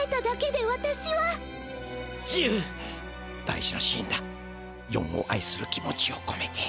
「大事なシーンだヨンを愛する気持ちをこめて」。